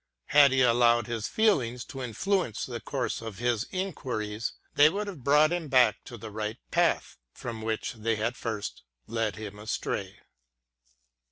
Had he allowed his feelings to influence the course of his inquiries, they would have brought him back to the right path, from which they had first led him astray.